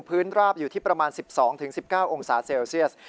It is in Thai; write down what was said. ราบอยู่ที่ประมาณ๑๒๑๙องศาเซลเซียส